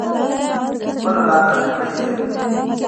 خپله لاره نه کړي هیره